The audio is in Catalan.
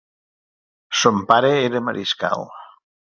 Son pare era mariscal.